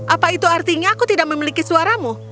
apa itu artinya aku tidak memiliki suaramu